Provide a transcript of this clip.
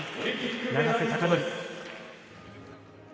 永瀬貴規。